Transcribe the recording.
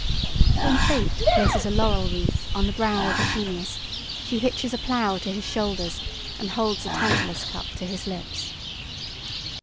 When Fate places a laurel wreath on the brow of a genius she hitches a plough to his shoulders and holds a Tantalus cup to his lips.